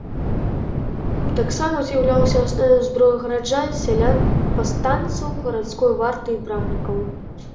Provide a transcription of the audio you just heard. Таксама з'яўляўся асноўнай зброяй гараджан, сялян-паўстанцаў, гарадской варты і брамнікаў.